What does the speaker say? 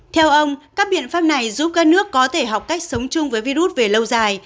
theo ông các biện pháp này giúp các nước có thể học cách sống chung với virus về lâu dài